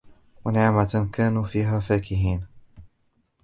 وَنَعْمَةٍ كَانُوا فِيهَا فَاكِهِينَ